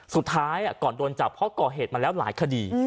สุดท้ายก่อนโดนจับเพราะก่อเหตุมาแล้วหลายคดี